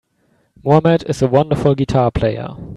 Mohammed is a wonderful guitar player.